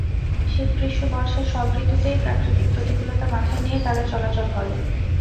শীত, গ্রীষ্ম, বর্ষা—সব ঋতুতেই প্রাকৃতিক প্রতিকূলতা মাথায় নিয়ে তারা চলাচল করে।